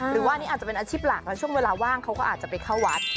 หรือว่าอันนี้อาจจะเป็นอาชีพหลักแล้วช่วงเวลาว่างเขาก็อาจจะไปเข้าวัด